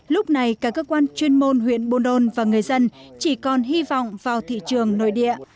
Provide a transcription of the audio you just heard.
lúc này các cơ quan chuyên môn huyện buôn đôn và người dân chỉ còn hy vọng vào thị trường nội địa